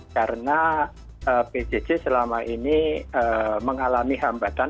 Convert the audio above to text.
karena pjj selama ini mengalami hambatan